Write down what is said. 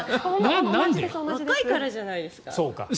若いからじゃないですか？